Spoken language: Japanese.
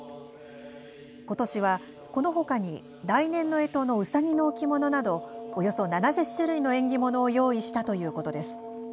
ことしはこのほかに来年のえとのうさぎの置物などおよそ７０種類の縁起物を用意したということです。